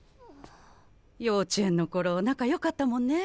幼稚園の頃仲良かったもんね。